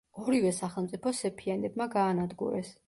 ორივე სახელმწიფო სეფიანებმა გაანადგურეს.